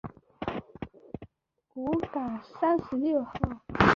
五巷三十六号